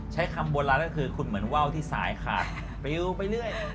ใช้คำบัวร้าแล้วคือคุณเหมือนเว้าที่สายขาดไปอยู่ไปเรื่อย